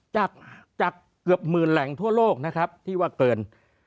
จากจากเกือบหมื่นแหล่งทั่วโลกนะครับที่ว่าเกิน